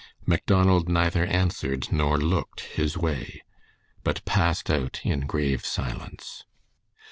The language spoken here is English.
Macdonald neither answered nor looked his way, but passed out in grave silence.